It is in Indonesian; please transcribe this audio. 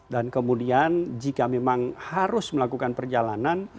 dan kemudian jika memang harus melakukan perjalanan